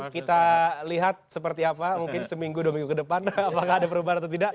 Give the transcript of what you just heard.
kita lihat seperti apa mungkin seminggu dua minggu ke depan apakah ada perubahan atau tidak